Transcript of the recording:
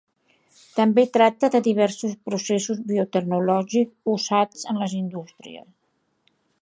També tracta de diversos processos biotecnològics usats en les indústries.